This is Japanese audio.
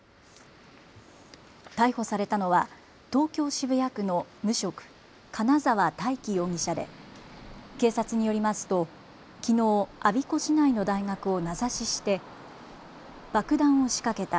逮捕されたのは東京渋谷区の無職、金澤大喜容疑者で警察によりますときのう我孫子市内の大学を名指しして爆弾を仕掛けた。